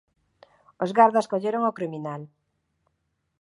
Os gardas colleron ó criminal.